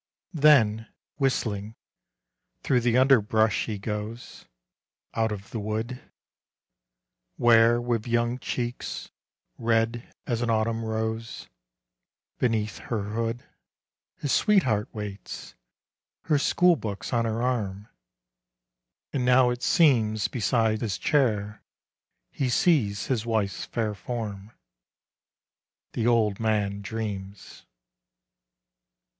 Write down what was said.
Then, whistling, through the underbrush he goes, Out of the wood, Where, with young cheeks, red as an Autumn rose, Beneath her hood, His sweetheart waits, her school books on her arm; And now it seems Beside his chair he sees his wife's fair form The old man dreams.